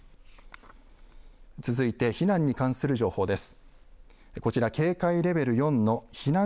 続いて避難に関する情報です。